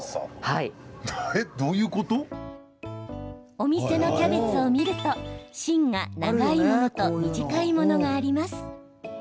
お店のキャベツを見ると芯が長いものと短いものがあります。